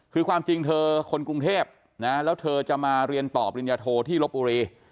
คือความจริงเธอคนกรุงเทพนะแล้วเธอจะมาเรียนต่อปริญญาโทที่ลบบุรี